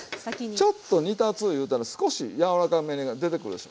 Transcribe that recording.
ちょっと煮立ついうたら少し柔らかめが出てくるでしょ。